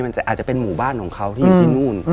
มันอาจจะเป็นหมู่บ้านของเขาที่อยู่ที่นู่น